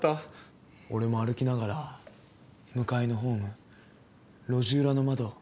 俺も歩きながら向かいのホーム路地裏の窓